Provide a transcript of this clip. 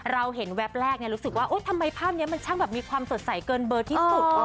เราเห็นแวบแรกรู้สึกว่าทำไมภาพนี้มันช่างแบบมีความสดใสเกินเบอร์ที่สุด